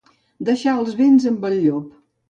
Deixar els bens amb el llop.